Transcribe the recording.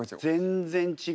全然違う。